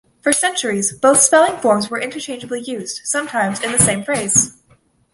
For centuries, both spelling forms are interchangeably used, sometimes in the same phrase.